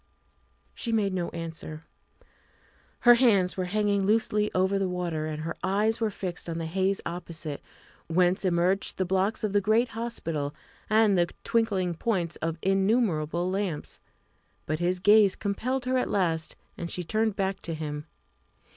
She made no answer. Her hands were hanging loosely over the water, and her eyes were fixed on the haze opposite, whence emerged the blocks of the great hospital and the twinkling points of innumerable lamps. But his gaze compelled her at last, and she turned back to him.